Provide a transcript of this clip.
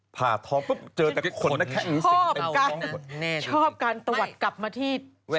ผ่าท้อปุ๊บเจอแต่คนนะครับหรือสิงเป็นของคนแน่จริงค่ะชอบการตวัดกลับมาที่